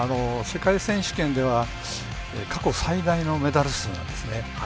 世界選手権では過去最大のメダル数なんですね。